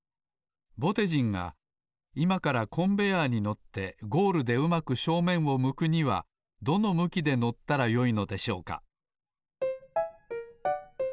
ぼてじんがいまからコンベヤーに乗ってゴールでうまく正面を向くにはどの向きで乗ったらよいのでしょうか？